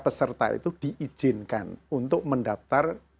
peserta itu diizinkan untuk mendaftar